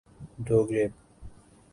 دوگریب